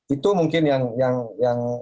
itu mungkin yang yang yang